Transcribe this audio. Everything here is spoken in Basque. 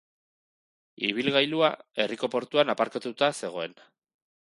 Ibilgailua herriko portuan aparkatuta zegoen.